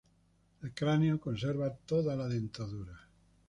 El cráneo conserva toda la dentadura.